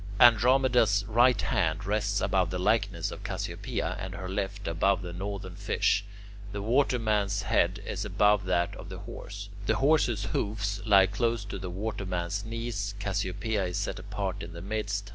Andromeda's right hand rests above the likeness of Cassiopea, and her left above the Northern Fish. The Waterman's head is above that of the Horse. The Horse's hoofs lie close to the Waterman's knees. Cassiopea is set apart in the midst.